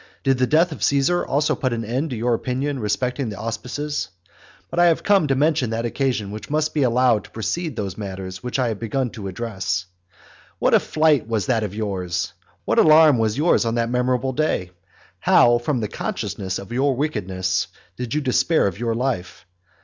Did the death of Caesar also put an end to your opinion respecting the auspices? But I have come to mention that occasion which must be allowed to precede those matters which I had begun to discuss. What a flight was that of yours! What alarm was yours on that memorable day! How, from the consciousness of your wickedness, did you despair of your life!